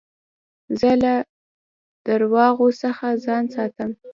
زه له درواغو څخه ځان ساتم.